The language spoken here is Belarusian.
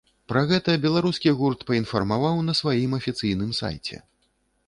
Пра гэта беларускі гурт паінфармаваў на сваім афіцыйным сайце.